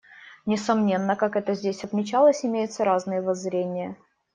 Несомненно, как это здесь отмечалось, имеются разные воззрения.